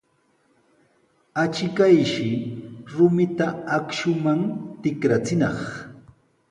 Achkayshi rumita akshuman tikrachinaq.